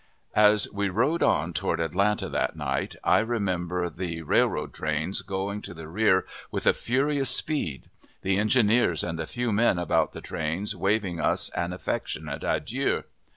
As we rode on toward Atlanta that night, I remember the railroad trains going to the rear with a furious speed; the engineers and the few men about the trains waving us an affectionate adieu.